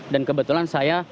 dan kebetulan saya